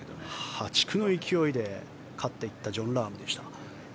破竹の勢いで勝っていったジョン・ラームでした。